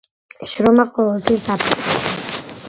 შრომა ყოველთვის დაფასდება.